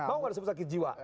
mau gak ada sebuah sakit jiwa